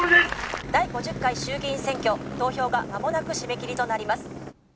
・第５０回衆議院選挙投票が間もなく締め切りとなります。